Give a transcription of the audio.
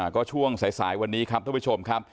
ก็ช่วงสายวันนี้ครับท่านผู้ชมครับ